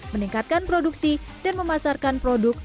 meningkatkan produksi dan memasarkan produk